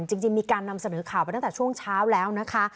จริงมีการนำเสนอข่าวไปตั้งแต่ช่วงเช้าแล้วนะคะ